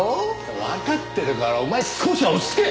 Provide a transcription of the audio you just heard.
わかってるからお前少しは落ち着け！